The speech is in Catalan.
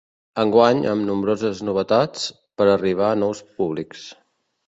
Enguany, amb nombroses novetats, per a arribar a nous públics.